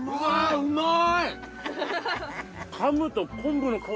うまい！